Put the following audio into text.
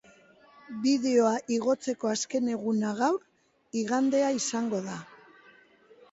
Bideoa igotzeko azken eguna gaur, igandea izango da.